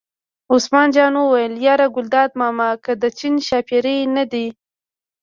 عثمان جان وویل: یار ګلداد ماما که د چین ښاپېرۍ نه دي.